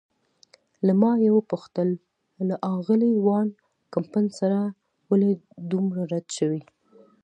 له ما یې وپوښتل: له آغلې وان کمپن سره ولې دومره رډ شوې؟